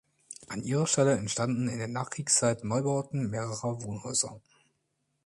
An ihrer Stelle entstanden in der Nachkriegszeit Neubauten mehrerer Wohnhäuser.